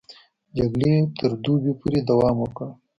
جګړې تر دوبي پورې دوام وکړ.